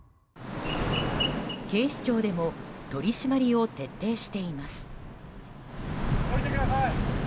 警視庁でも取り締まりを徹底しています。